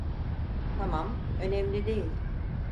Tamam, önemli değil.